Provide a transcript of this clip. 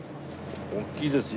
大きいですよ。